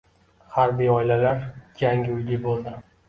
Harbiy oilalar yangi uyli bo‘ldi